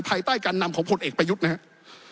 ภายใต้การนำของผลเอกประยุทธ์นะครับ